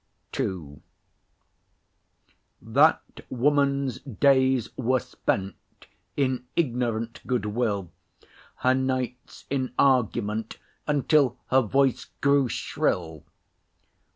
IIThat woman's days were spent In ignorant good will, Her nights in argument Until her voice grew shrill.